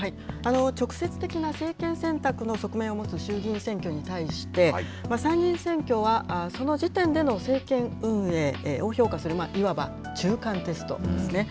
直接的な政権選択の側面を持つ衆議院選挙に対して、参議院選挙はその時点での政権運営を評価する、いわば中間テストですね。